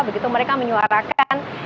begitu mereka menyuarakan